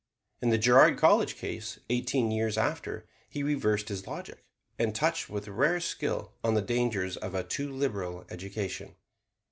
In the Girard College case, eighteen years after, he reversed his logic, and touched with rare skill on the dangers of a too liberal education.